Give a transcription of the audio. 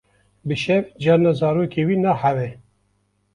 Bi şev carna zarokê wî nahewe.